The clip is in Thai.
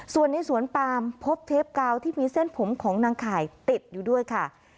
ส่วนในสวนปามพบเทปกาวที่มีเส้นผมของนางข่ายติดอยู่ด้วยค่ะ